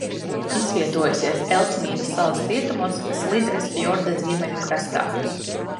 Izvietojusies Elsmīra salas rietumos Slidres fjorda ziemeļu krastā.